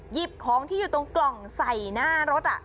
หยิบของที่อยู่ตรงกล่องใส่หน้ารถ